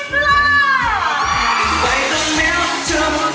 ทั้งเวลานั้นก็เพียงแค่บิ้น